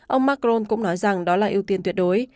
ông macron cũng nói rằng đó là ưu tiên tuyệt đối